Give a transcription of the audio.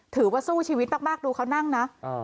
ถือว่าสู้ชีวิตมากดูเขานั่งนะ